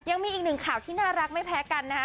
ยังมีอีกหนึ่งข่าวที่น่ารักไม่แพ้กันนะฮะ